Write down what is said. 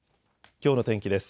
きょうの天気です。